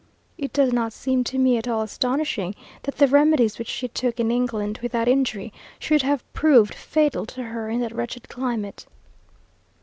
It does not seem to me at all astonishing that the remedies which she took in England without injury, should have proved fatal to her in that wretched climate.